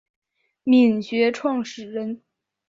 黾学创始人。